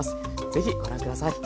ぜひご覧下さい。